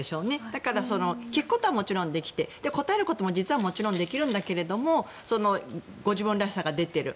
だから聞くことはもちろんできて答えることも実はもちろんできるんだけどご自分らしさが出ている。